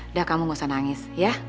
udah kamu gak usah nangis ya